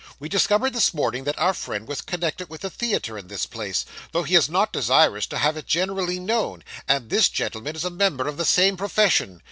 We discovered this morning that our friend was connected with the theatre in this place, though he is not desirous to have it generally known, and this gentleman is a member of the same profession.